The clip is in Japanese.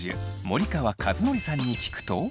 森川和則さんに聞くと。